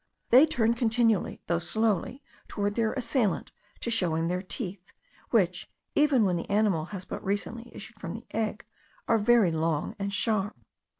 They turn continually, though slowly, toward their assailant to show him their teeth, which, even when the animal has but recently issued from the egg, are very long and sharp.